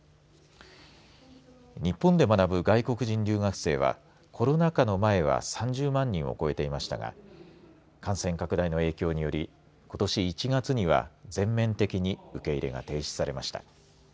日本で学ぶ外国人留学生はコロナ禍の前は３０万人を超えていましたが感染拡大の影響によりことし１月には全面的に受け入れが停止されました。